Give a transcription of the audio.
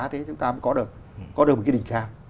thì chúng ta mới có được một cái đỉnh cao